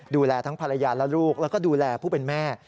ดูแลทั้งภรรยาและลูกแล้วก็ดูแลผู้เป็นแม่